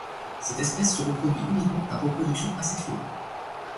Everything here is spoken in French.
Cette espèce se reproduit uniquement par reproduction asexuée.